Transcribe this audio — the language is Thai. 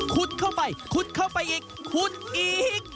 เข้าไปขุดเข้าไปอีกขุดอีก